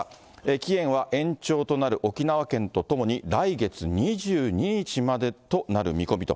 期限は延長となる沖縄県とともに来月２２日までとなる見込みと。